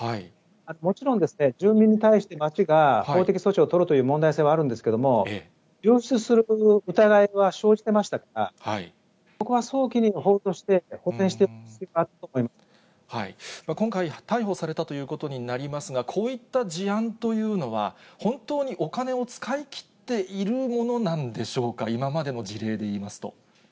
もちろんですね、住民に対して町が法的措置を取るという問題性はあるんですけれども、疑いは生じてましたから、そこは早期に報告して、今回、逮捕されたということになりますが、こういった事案というのは、本当にお金を使い切っているものなんでしょうか。